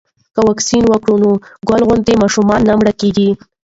که واکسین وکړو نو ګل غوندې ماشومان نه مړه کیږي.